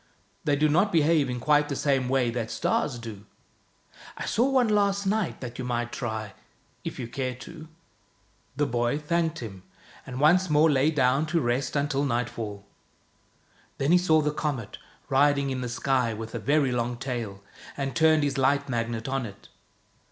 They do not behave in quite the same way that the stars do. I saw one last night that you might try if you care to." The boy thanked him, and once more lay down to rest until nightfall. Then he saw the comet, riding in the sky with a very long tail, and turned his Light Magnet on it.